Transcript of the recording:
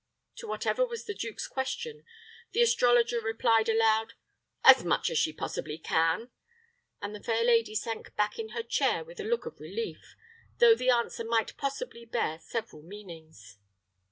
To whatever was the duke's question, the astrologer replied, aloud, "As much as she possibly can," and the fair lady sank back in her chair with a look of relief, though the answer might possibly bear several meanings.